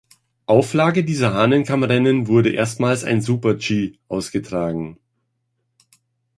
Auflage dieser Hahnenkammrennen wurde erstmals ein Super-G ausgetragen.